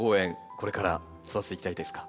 これから育てていきたいですか？